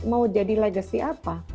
mau jadi legacy apa